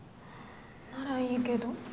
ならいいけど。